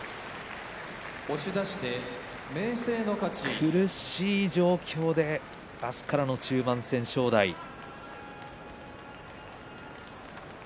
苦しい状況で明日からの中盤戦、正代です。